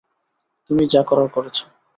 তুমিই যা করার করেছ!